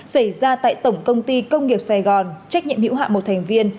xảy ra tại tổng công ty công nghiệp sài gòn trách nhiệm hữu hạm một thành viên